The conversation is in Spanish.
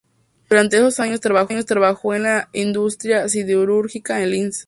Durante esos años trabajó en la industria siderúrgica en Linz.